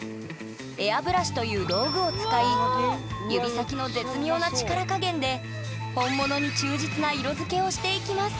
エアブラシという道具を使い指先の絶妙な力加減で本物に忠実な色付けをしていきます